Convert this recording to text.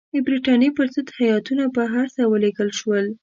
د برټانیې پر ضد هیاتونه بهر ته ولېږل شول.